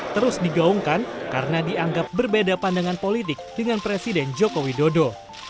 terus digaungkan karena dianggap berbeda pandangan politik dengan presiden joko widodo